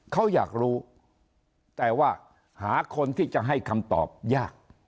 เขาอยากรู้แต่ว่าหาคนที่จะให้คำตอบยาก